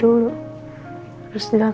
harus ber punto percobaan